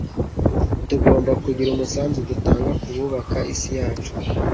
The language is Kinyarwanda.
Tugomba kugira umusanzu dutanga mu kubaka isi yacu